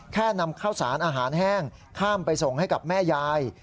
นำข้าวสารอาหารแห้งข้ามไปส่งให้กับแม่ยาย